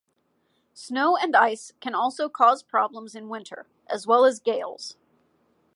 Snow and ice can also cause problems in winter, as well as gales.